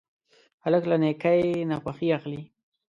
هلک له نیکۍ نه خوښي اخلي.